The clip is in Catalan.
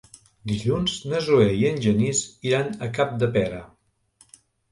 Dilluns na Zoè i en Genís iran a Capdepera.